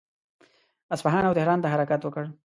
اصفهان او تهران ته حرکت وکړ.